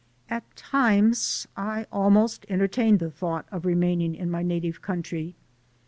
At times I almost entertained the thought of remaining in my native country.